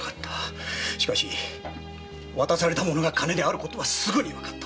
しかし渡された物が金であることはすぐに判った。